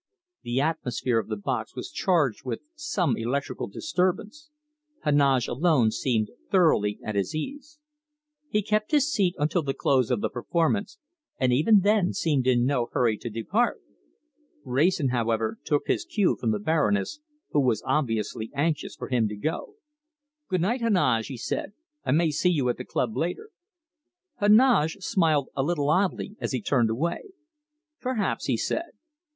The atmosphere of the box was charged with some electrical disturbance. Heneage alone seemed thoroughly at his ease. He kept his seat until the close of the performance, and even then seemed in no hurry to depart. Wrayson, however, took his cue from the Baroness, who was obviously anxious for him to go. "Goodnight, Heneage!" he said. "I may see you at the club later." Heneage smiled a little oddly as he turned away. "Perhaps," he said.